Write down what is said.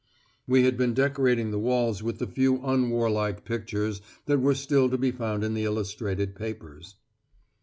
We had been decorating the walls with the few unwarlike pictures that were still to be found in the illustrated papers.